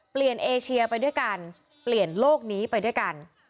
เอเชียไปด้วยกันเปลี่ยนโลกนี้ไปด้วยกัน